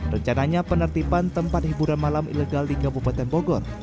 rencananya penertiban tempat hiburan malam ilegal di kabupaten bogor